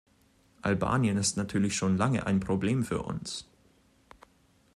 Albanien ist natürlich schon lange ein Problem für uns.